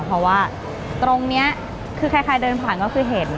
เพราะว่าตรงนี้คือใครเดินผ่านก็คือเห็น